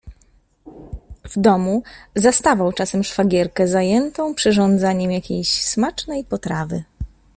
W domu zastawał czasem szwagierkę zajętą przyrządzaniem jakiejś smacznej potrawy.